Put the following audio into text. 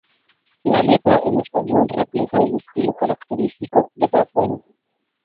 La letra en español refleja el estilo característico de Bad Bunny.